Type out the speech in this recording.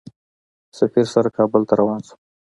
سفیر سره کابل ته روان شوم.